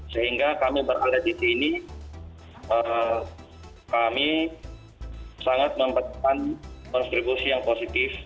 sehingga kami berada di sini kami sangat memberikan konstribusi yang positif